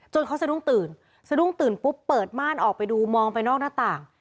เขาสะดุ้งตื่นสะดุ้งตื่นปุ๊บเปิดม่านออกไปดูมองไปนอกหน้าต่าง